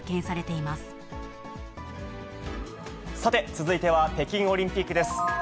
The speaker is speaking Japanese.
さて、続いては北京オリンピックです。